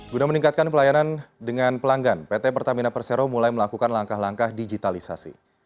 guna meningkatkan pelayanan dengan pelanggan pt pertamina persero mulai melakukan langkah langkah digitalisasi